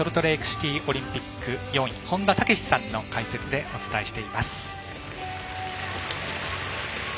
シティーオリンピック４位本田武史さんの解説でお伝えしています。